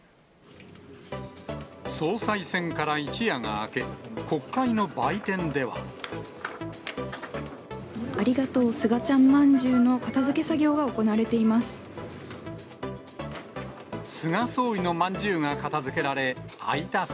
総裁選から一夜が明け、国会の売店では。ありがとうスガちゃんまんじゅうの片づけ作業が行われています。